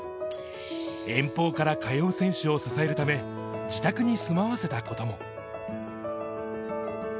遠方から通う選手を支えるため、自宅に住まわせたことも。